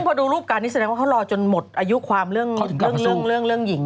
พอดูรูปการนี้แสดงว่าเขารอจนหมดอายุความเรื่องหญิง